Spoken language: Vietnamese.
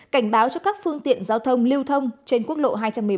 cảnh báo cho các phương tiện giao thông lưu thông trên quốc lộ hai trăm một mươi bảy